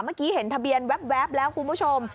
เมื่อกี้เห็นทะเบียนแว๊บแล้วคุณผู้ชม